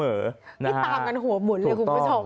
นี่ตามกันหัวหมุนเลยคุณผู้ชม